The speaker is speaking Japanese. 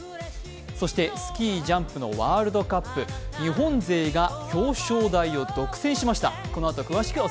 そしてスキージャンプのワールドカップ、日本勢が表彰台を独占しました。